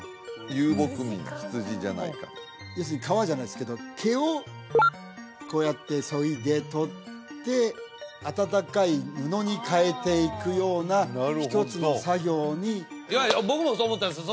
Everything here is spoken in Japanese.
遊牧民羊じゃないかと要するに皮じゃないですけど毛をこうやってそいで取って暖かい布に変えていくような一つの作業にいやいや僕もそう思ったんですよ